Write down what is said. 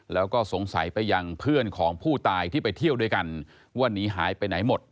แล้วก็สงสัยไปยังเพื่อนของผู้ตายที่ไปเที่ยวด้วยกันว่าหนีหายไปไหนหมด